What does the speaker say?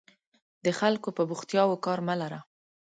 د خلکو په بوختیاوو کار مه لره.